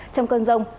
trong cơn rông